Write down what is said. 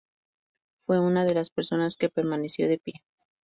Fue una de las personas que permaneció de pie.